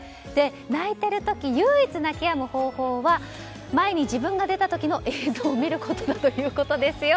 泣いている時唯一泣き止む方法は前に自分が出た時の映像を見ることだということですよ。